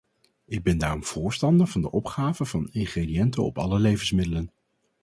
Ik ben daarom voorstander van de opgave van ingrediënten op alle levensmiddelen.